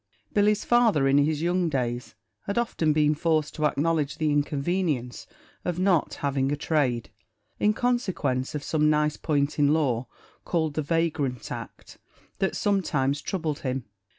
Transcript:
Billy's father, in his young days, had often been forced to acknowledge the inconvenience of not having a trade, in consequence of some nice point in law, called the "Vagrant Act," that sometimes troubled him.